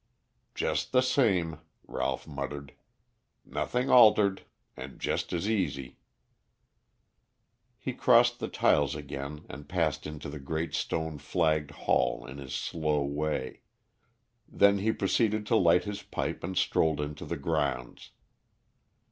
"Just the same," Ralph muttered. "Nothing altered. And just as easy." He crossed the tiles again and passed into the great stone flagged hall in his slow way. Then he proceeded to light his pipe and strolled into the grounds.